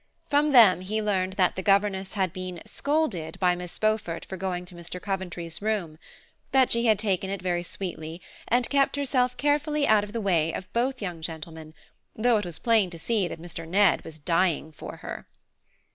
From them he learned that the governess had been "scolded" by Miss Beaufort for going to Mr. Coventry's room; that she had taken it very sweetly and kept herself carefully out of the way of both young gentlemen, though it was plain to see that Mr. Ned was dying for her.